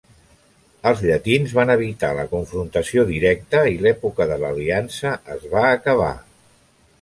Els llatins van evitar la confrontació directa i l'època de l'aliança es va acabar.